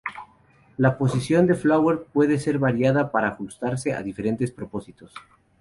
La posición de Fowler puede ser variada para ajustarse a diferentes propósitos.